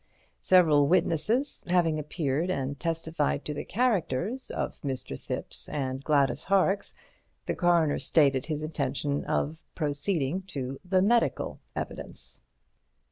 Several witnesses having appeared and testified to the characters of Mr. Thipps and Gladys Horrocks, the Coroner stated his intention of proceeding to the medical evidence.